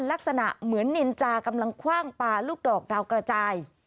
ลักษณะเหมือนนินจากำลังคว่างปลาลูกดอกดาวกระจาย